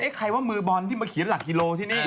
ใครว่ามือบอลที่มาเขียนหลักกิโลที่นี่